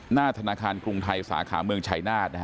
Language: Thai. หน้าธนาคารกรุงไทยสาขาเมืองชายนาฏ